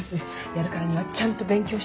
やるからにはちゃんと勉強したいんで。